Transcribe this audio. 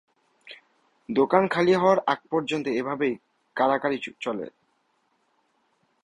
দোকান খালি হওয়ার আগ পর্যন্ত এভাবেই কাড়াকাড়ি চলে!